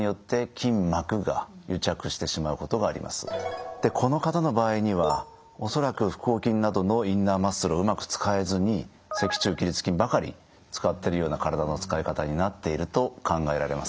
恐らくでこの方の場合には恐らく腹横筋などのインナーマッスルをうまく使えずに脊柱起立筋ばかり使ってるような体の使い方になっていると考えられます。